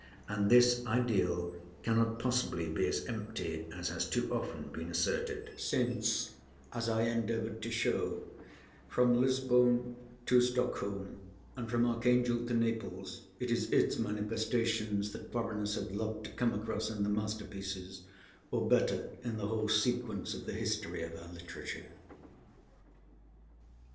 And this ideal cannot possibly be as empty as has too often been asserted; since, as I endeavored to show, from Lisbon to Stockholm and from Archangel to Naples, it is its manifestations that foreigners have loved to come across in the masterpieces, or better, in the whole sequence of the history of our literature.